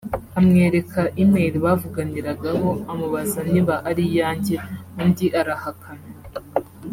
amwereka email bavuganiragaho amubaza niba ari iyanjye undi arahakana